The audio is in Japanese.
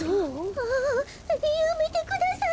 ああやめてください。